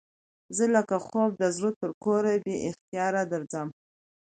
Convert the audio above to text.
زه لکه خوب د زړه تر کوره بې اختیاره درځم